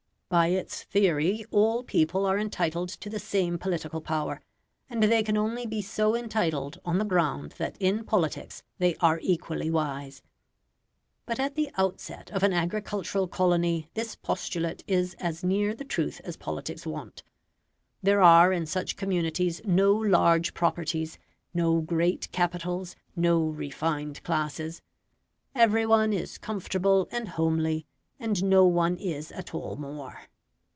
By its theory all people are entitled to the same political power, and they can only be so entitled on the ground that in politics they are equally wise. But at the outset of an agricultural colony this postulate is as near the truth as politics want. There are in such communities no large properties, no great capitals, no refined classes every one is comfortable and homely, and no one is at all more.